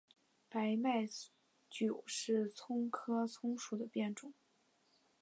白脉韭是葱科葱属的变种。